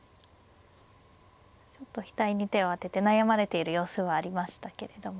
ちょっと額に手を当てて悩まれている様子はありましたけれども。